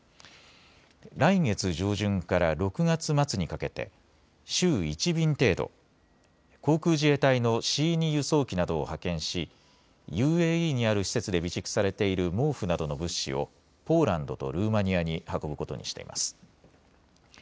来月上旬から６月末にかけて週１便程度、航空自衛隊のＣ２輸送機などを派遣しＵＡＥにある施設で備蓄されている毛布などの物資をポーランドとルーマニアに運ぶことにしています。